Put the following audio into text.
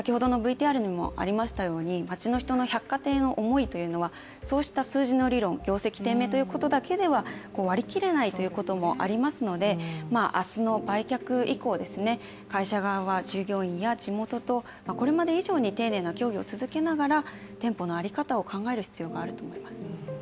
ただ、街の人の百貨店への思いというのはそうした数字の理論、業績低迷ということだけでは割り切れないということもありますので明日の売却以降、会社側は従業員や地元とこれまで以上に丁寧な協議を続けながら、店舗の在り方を考える必要があると思います。